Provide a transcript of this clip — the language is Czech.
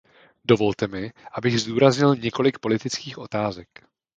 Dovolte mi, abych zdůraznil několik politických otázek.